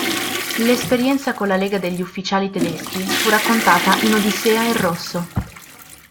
L'esperienza con la Lega degli Ufficiali tedeschi fu raccontata in "Odissea in rosso".